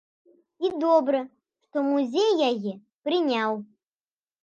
І добра, што музей яе прыняў.